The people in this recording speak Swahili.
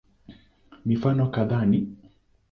Mifano kadhaa ni